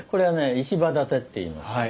石場建てっていいます。